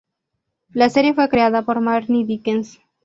La serie fue creada por Marnie Dickens.